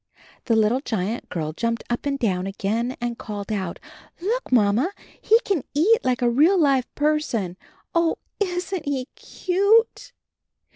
The little giant girl jumped up and down again and called out: "Look, Mamma, he can eat like a real live person. Oh, isn^t he cute?"